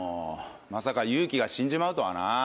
まさかユウキが死んじゃうとはな。